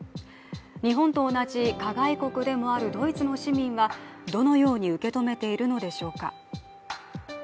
日本と同じ加害国でもあるドイツの市民はどのように受け止めているのでしょうか。